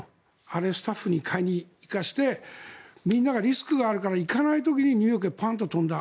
あれ、スタッフに買いに行かせてみんながリスクがあるから行かない時にニューヨークへパンと飛んだ。